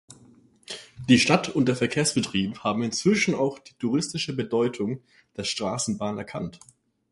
Die Stadt und der Verkehrsbetrieb haben inzwischen auch die touristische Bedeutung der Straßenbahn erkannt.